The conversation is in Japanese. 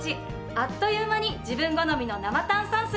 あっという間に自分好みの生炭酸水ができるの。